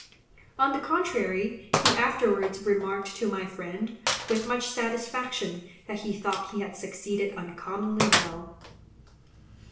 On the contrary, he afterwards remarked to my friend, with much satisfaction, that he thought he had succeeded uncommonly well.